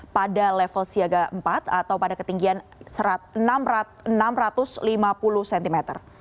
pada level siaga empat atau pada ketinggian enam ratus lima puluh cm